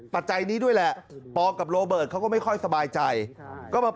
ปัจจัยนี้ด้วยแหละปอกับโรเบิร์ตเขาก็ไม่ค่อยสบายใจก็มา